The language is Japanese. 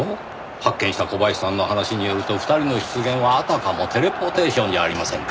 発見した小林さんの話によると２人の出現はあたかもテレポーテーションじゃありませんか。